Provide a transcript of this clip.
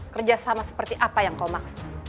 kerjasama seperti apa yang kau maksud